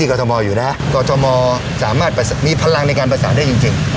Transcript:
กฤษโมสามารถมีพลังในการประสาทได้จริง